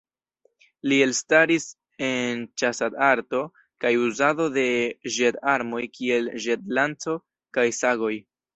Li elstaris en ĉasad-arto kaj uzado de ĵet-armoj, kiel ĵet-lanco kaj sagoj.